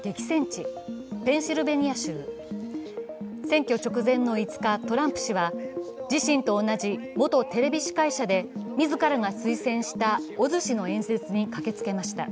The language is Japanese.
選挙直前の５日、トランプ氏は自身と同じ元テレビ司会者で自らが推薦したオズ氏の演説に駆けつけました。